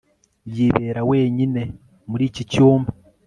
Yibera wenyine muri iki cyumba